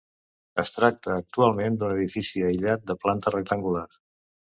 Es tracta actualment d'un edifici aïllat de planta rectangular.